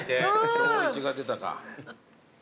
今日一が出たか。